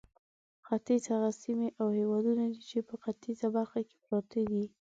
ختیځ هغه سیمې او هېوادونه دي چې په ختیځه برخه کې پراته دي.